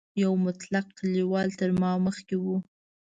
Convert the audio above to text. یو مطلق کلیوال تر ما مخکې و.